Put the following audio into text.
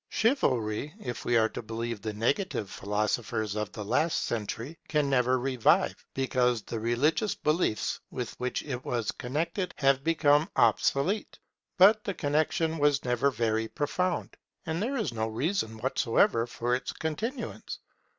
Chivalry, if we are to believe the negative philosophers of the last century, can never revive; because the religious beliefs with which it was connected have become obsolete. But the connexion was never very profound, and there is no reason whatever for its continuance.